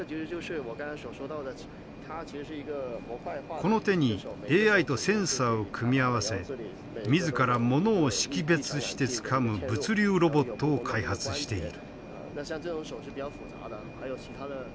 この手にＡＩとセンサーを組み合わせ自らモノを識別してつかむ物流ロボットを開発している。